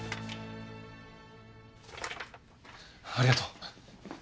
ありがとう。